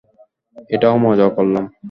এটাও মজা করলাম।